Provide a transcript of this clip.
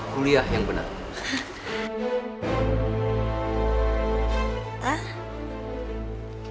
kuliah yang bener